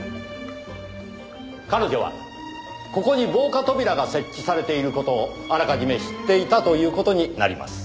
彼女はここに防火扉が設置されている事をあらかじめ知っていたという事になります。